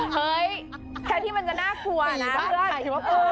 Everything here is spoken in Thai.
เฮ้ยแค่ที่มันจะน่ากลัวนะ